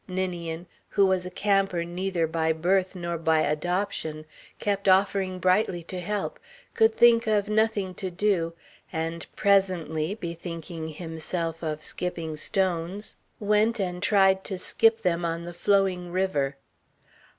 Ninian, who was a camper neither by birth nor by adoption, kept offering brightly to help, could think of nothing to do, and presently, bethinking himself of skipping stones, went and tried to skip them on the flowing river.